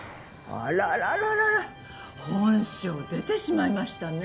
あららら本性出てしまいましたね。